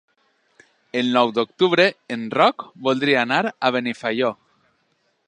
El nou d'octubre en Roc voldria anar a Benifaió.